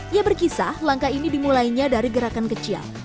ia berkisah langkah ini dimulainya dari gerakan kecil